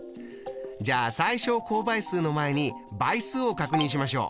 じゃあ最小公倍数の前に倍数を確認しましょう。